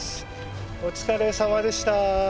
お疲れさまでした。